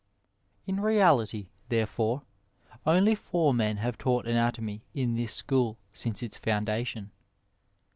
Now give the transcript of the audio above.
In reality, therefore, only four mesa have taughtanatomy in this school since its foundation.